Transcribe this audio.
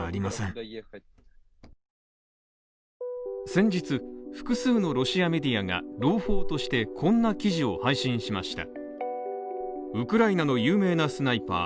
先日、複数のロシアメディアが朗報としてこんな記事を配信しました。